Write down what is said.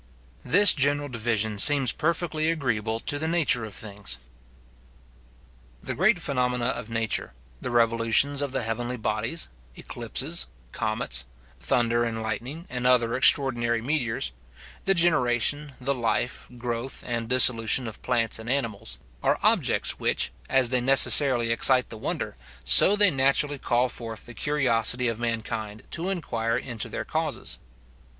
This general division seems perfectly agreeable to the nature of things. The great phenomena of nature, the revolutions of the heavenly bodies, eclipses, comets; thunder and lightning, and other extraordinary meteors; the generation, the life, growth, and dissolution of plants and animals; are objects which, as they necessarily excite the wonder, so they naturally call forth the curiosity of mankind to inquire into their causes.